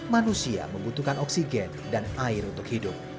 manusia membutuhkan oksigen dan air untuk hidup